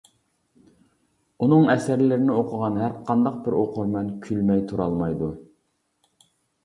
ئۇنىڭ ئەسەرلىرىنى ئوقۇغان ھەر قانداق بىر ئوقۇرمەن كۈلمەي تۇرالمايدۇ.